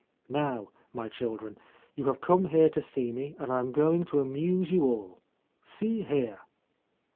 * Now, my children, you have come here to see me, and I am going to amuse you all. See here